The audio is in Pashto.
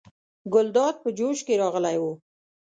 ګلداد په جوش کې راغلی و.